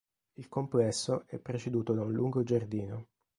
Il complesso è preceduto da un lungo giardino.